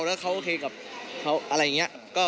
แล้วเขาโอเคกับเขาอะไรอย่างนี้